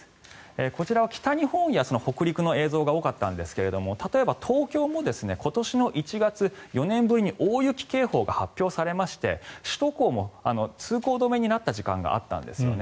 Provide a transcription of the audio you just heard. こちらは北日本や北陸の映像が多かったんですが例えば東京も今年の１月４年ぶりに大雪警報が発表されまして首都高も通行止めになった時間があったんですよね。